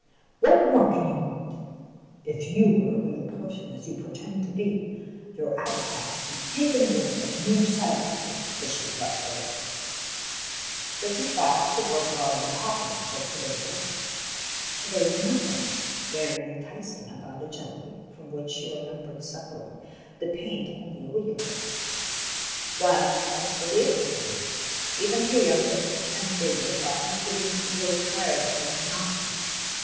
What more can you want ? If you were a real person, as you pretend to be, your appetite would be taken away by the mere sight of dishes like those !" This, in fact, was what had already happened to Dimples, for there was nothing very entic ing about a jelly from which she remembered sucking the paint only a week ago ; while as for the other things, even her youngest and favourite doll was beginning to grow tired of their monotony.